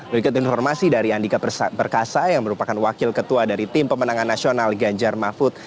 berikut informasi dari andika perkasa yang merupakan wakil ketua dari tim pemenangan nasional ganjar mahfud